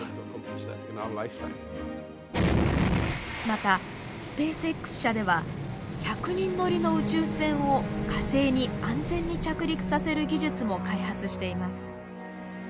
またスペースＸ社では１００人乗りの宇宙船を火星に安全に着陸させる技術も開発しています。